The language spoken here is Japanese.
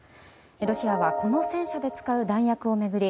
ロシアはこの戦車で使う弾薬を巡り